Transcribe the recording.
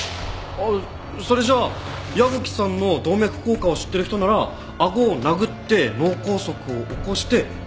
あっそれじゃあ矢吹さんの動脈硬化を知ってる人なら顎を殴って脳梗塞を起こして殺す事ができたって事？